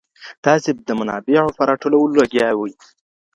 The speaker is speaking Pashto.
تاسي د منابعو په راټولولو لګيا وئ.